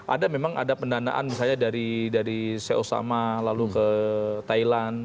ada memang ada pendanaan misalnya dari co sama lalu ke thailand